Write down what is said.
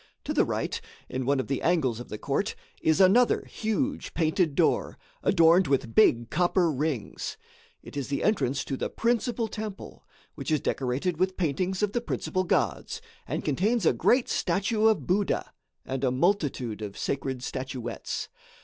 To the right, in one of the angles of the court, is another huge painted door, adorned with big copper rings. It is the entrance to the principal temple, which is decorated with paintings of the principal gods, and contains a great statue of Buddha and a multitude of sacred statuettes.